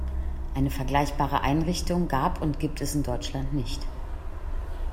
Eine vergleichbare Einrichtung gab und gibt es in Deutschland nicht.